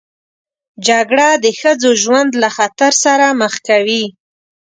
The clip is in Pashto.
جګړه د ښځو ژوند له خطر سره مخ کوي